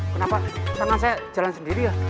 kenapa sama saya jalan sendiri ya